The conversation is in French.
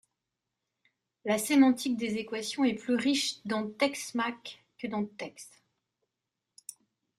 La sémantique des équations est plus riche dans TeXmacs que dans TeX.